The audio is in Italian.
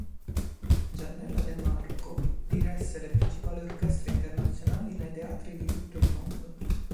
Giannella De Marco diresse le principali orchestre internazionali nei teatri di tutto i mondo.